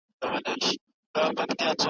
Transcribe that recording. بیلابیلو ګوندونو یو پر بل سخت تورونه لګول.